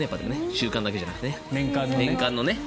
週間だけじゃなくてね年間の。